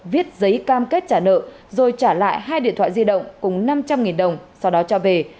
viết giấy cam kết trả nợ rồi trả lại hai điện thoại di động cùng năm trăm linh đồng sau đó cho về